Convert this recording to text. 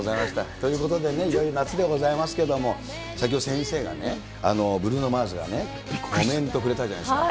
ということでね、よい夏でございますけれども、先ほど、先生がね、ブルーノ・マーズがね、コメントくれたじゃないですか。